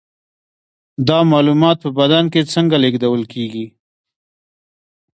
دا معلومات په بدن کې څنګه لیږدول کیږي